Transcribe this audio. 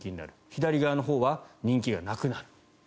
左側のほうは人気がなくなる。